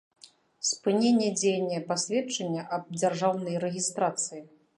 Спыненне дзеяння пасведчання аб дзяржаўнай рэгiстрацыi